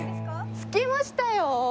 着きましたよ！